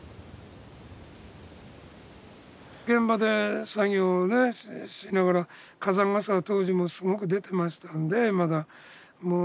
現場で作業をねしながら火山ガスが当時もすごく出てましたんでまだ。